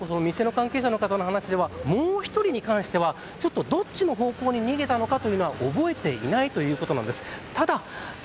ただ、お店の関係者の方の話ではもう１人に関してはどっちの方向に逃げたのかが覚えていないということなんです。